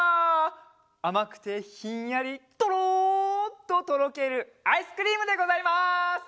あまくてひんやりとろっととろけるアイスクリームでございます！